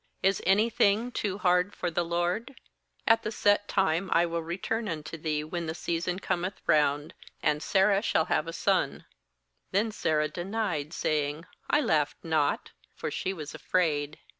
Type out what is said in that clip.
14Is any thing too hard for the LORD? At the set tune I will return unto thee, when the season cometh round, and Sarah shall have a son/ 15Then Sarah denied, saying: 'I laughed not'; for she was afraid.